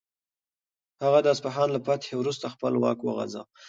هغه د اصفهان له فتحې وروسته خپل واک وغځاوه.